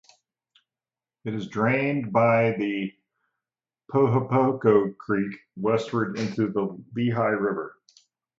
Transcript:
It is drained by the Pohopoco Creek westward into the Lehigh River.